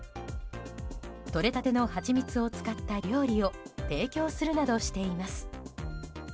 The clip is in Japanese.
とれたてのハチミツを使った料理を提供するなどしています。